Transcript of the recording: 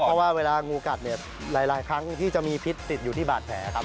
เพราะว่าเวลางูกัดเนี่ยหลายครั้งที่จะมีพิษติดอยู่ที่บาดแผลครับ